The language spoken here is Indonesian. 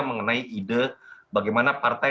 mengenai ide bagaimana partai